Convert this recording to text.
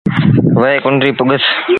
وهي ڪنريٚ پُڳس۔